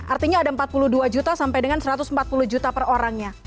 artinya ada empat puluh dua juta sampai dengan satu ratus empat puluh juta per orangnya